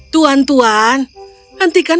tuan tuan hentikan pertengkaran